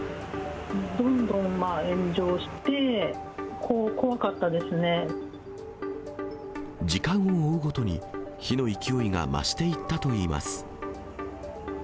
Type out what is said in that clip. どんどん炎上して、怖かった時間を追うごとに、火の勢いが増していったといいます。